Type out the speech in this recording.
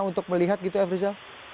untuk melihat gitu efri zal